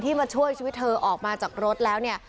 มาช่วยชีวิตเธอออกมาจากรถแล้วเนี่ย